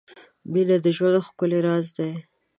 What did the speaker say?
• مینه د ژوند ښکلی راز دی.